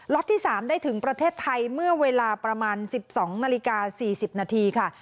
ที่๓ได้ถึงประเทศไทยเมื่อเวลาประมาณ๑๒นาฬิกา๔๐นาทีค่ะ